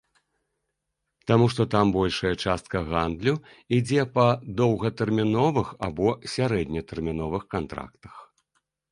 Таму што там большая частка гандлю ідзе па доўгатэрміновых або сярэднетэрміновых кантрактах.